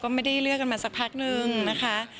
ก็ไม่ได้เลือกกันมาสักพักนึงนะคะ